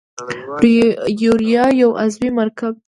یوریا یو عضوي مرکب دی.